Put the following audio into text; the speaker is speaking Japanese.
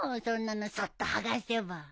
そんなのそっと剥がせば。